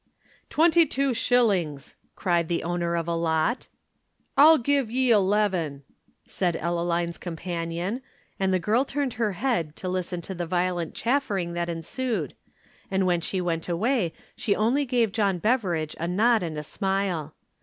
"Twenty two shillings!" cried the owner of a lot. "I'll give 'ee eleven!" said Ellaline's companion, and the girl turned her head to listen to the violent chaffering that ensued, and when she went away she only gave John Beveridge a nod and a smile.